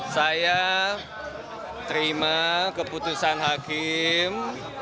saya terima keputusan hakim